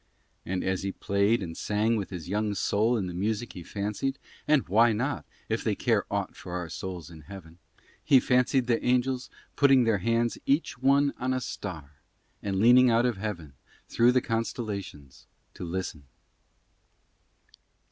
And as he played and sang with his young soul in the music he fancied (and why not, if they care aught for our souls in Heaven?) he fancied the angles putting their hands each one on a star and leaning out of Heaven through the constellations to listen.